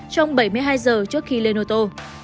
trong bảy mươi hai giờ trước khi lên ô tô